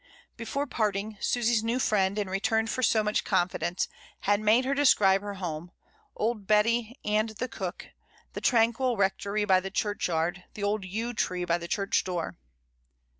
Before parting, Susy's new friend, in return for so much confidence, had made her describe her home, old Betty the cook, the tranquil rectory by the churchyard, the old yew tree by the church door.